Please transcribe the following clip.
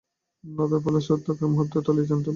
নদে প্রবল স্রোত থাকায় মুহূর্তের মধ্যেই তলিয়ে যান সাব্বির।